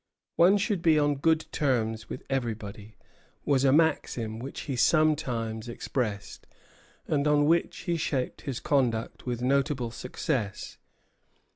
"One should be on good terms with everybody," was a maxim which he sometimes expressed, and on which he shaped his conduct with notable success.